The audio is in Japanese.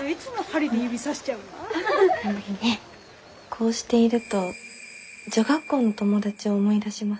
こうしていると女学校の友達を思い出します。